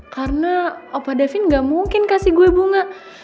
karena opa davin gak mungkin kasih gue bunga